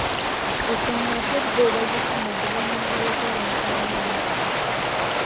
Osanga ate bo baazifuna kuva mu ngalo z'abantu aba wansiko.